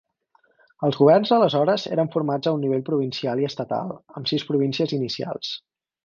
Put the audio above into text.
Els governs aleshores eren formats a un nivell provincial i estatal, amb sis províncies inicials.